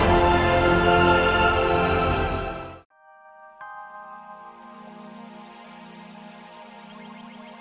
kamu memang anggerep kalau kamu sua adek sama beri betul lagunya